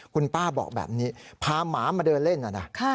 คุณป้าบอกแบบนี้พาหมามาเดินเล่นนะนะ